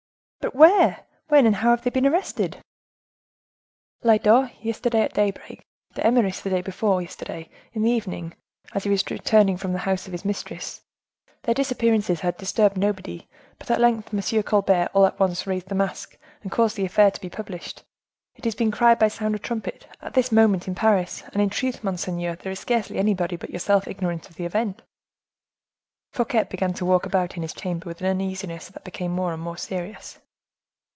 "But where, when, and how have they been arrested?" "Lyodot, yesterday at daybreak; D'Eymeris, the day before yesterday, in the evening, as he was returning from the house of his mistress; their disappearances had disturbed nobody; but at length M. Colbert all at once raised the mask, and caused the affair to be published; it is being cried by sound of trumpet, at this moment in Paris, and, in truth, monseigneur, there is scarcely anybody but yourself ignorant of the event." Fouquet began to walk about in his chamber with an uneasiness that became more and more serious.